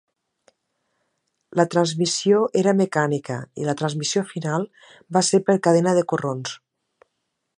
La transmissió era mecànica i la transmissió final va ser per cadena de corrons.